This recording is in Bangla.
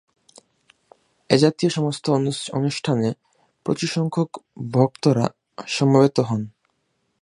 এ জাতীয় সমস্ত অনুষ্ঠানে প্রচুর সংখ্যক ভক্তরা সমবেত হন।